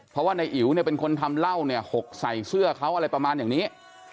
เพราะว่าในอิ๋วเป็นคนทำเล่าหกใส่เสื้อเขาอะไรประมาณอย่างนี้